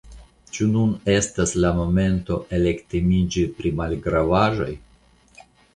Ĉu nun estas la momento elektemiĝi pri malgravaĵoj?